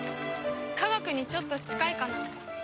科学にちょっと近いかな。